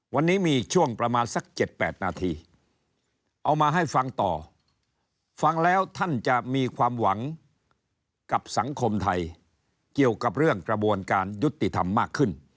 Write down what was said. วันนี้มีช่วงประมาณสัก๗๘นาทีเอามาให้ฟังต่อฟังแล้วท่านจะมีความหวังกับสังคมไทยเกี่ยวกับเรื่องกระบวนการยุติธรรมมากขึ้น